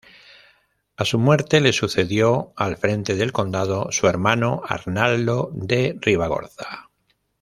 A su muerte le sucedió al frente del condado su hermano Arnaldo de Ribagorza.